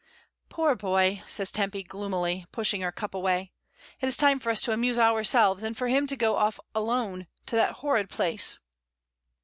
"Poor boy," says Tempy, gloomily, pushing her cup away. "It is time for us to amuse ourselves, and for him to go off alone to that horrid place."